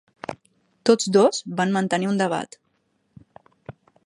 Tots dos van mantenir un debat.